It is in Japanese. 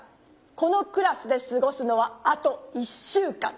このクラスですごすのはあと１週間。